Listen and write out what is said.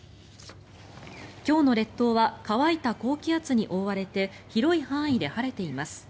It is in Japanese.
今日の列島は乾いた高気圧に覆われて広い範囲で晴れています。